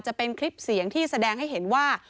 จะเป็นคลิปเสียงที่แสดงให้เห็นว่า